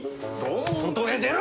外へ出ろ！